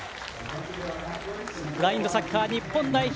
ブラインドサッカー日本代表